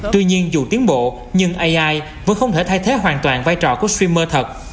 tuy nhiên dù tiến bộ nhưng ai vẫn không thể thay thế hoàn toàn vai trò của streamer thật